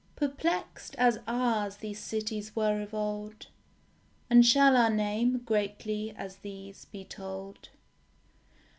Perplexed as ours these cities were of old; And shall our name greatly as these be told?